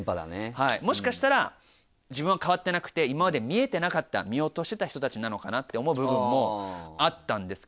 はいもしかしたら自分は変わってなくて今まで見えてなかった見落としてた人たちなのかなって思う部分もあったんですけど。